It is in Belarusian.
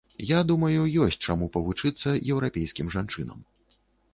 Я думаю, ёсць чаму павучыцца еўрапейскім жанчынам.